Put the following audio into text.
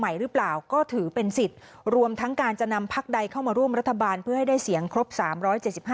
มันโอกาสเป็นไปไม่ได้แล้วตอนนี้นะครับ